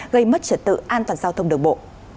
gây mất trật tự an toàn giao thông đường bộ